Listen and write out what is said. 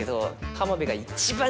浜辺が一番。